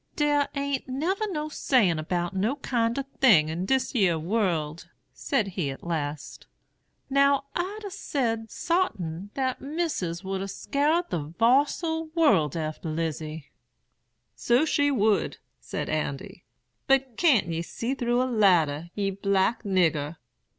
'Der a'n't never no sayin' 'bout no kind o' thing in dis yere world,' said he at last. 'Now I'd a said sartin that Missis would a scoured the varsal world after Lizy.' "'So she would,' said Andy; 'but can't ye see through a ladder, ye black nigger?